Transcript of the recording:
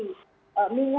terus rendahkan dengannya ya